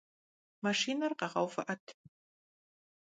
Maşşiner kheğeuvı'et!